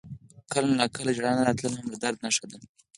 • کله ناکله ژړا نه راتلل هم د درد نښه وي.